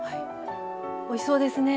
おいしそうですね。